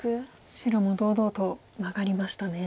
白も堂々とマガりましたね。